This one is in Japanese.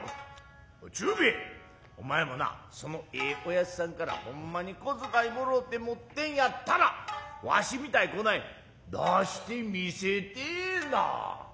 おい忠兵衛お前もなそのええ親父さんからほんまに小遣いもろうて持ってんやったらわしみたいにこない出して見せてえな。